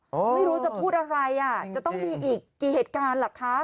ไม่รู้จะพูดอะไรอ่ะจะต้องมีอีกกี่เหตุการณ์เหรอคะ